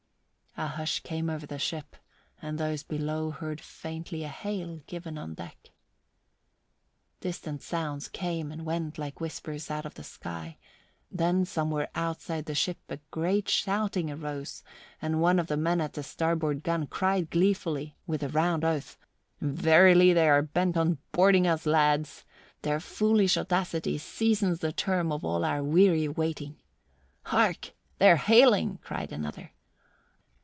A hush came over the ship and those below heard faintly a hail given on deck. Distant sounds came and went like whispers out of the sky, then somewhere outside the ship a great shouting arose and one of the men at a starboard gun cried gleefully, with a round oath, "Verily they are bent on boarding us, lads! Their foolish audacity seasons the term of all our weary waiting." "Hark! They are hailing!" cried another.